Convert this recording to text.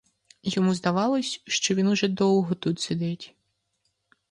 Йому здавалось, що він уже довго тут сидить.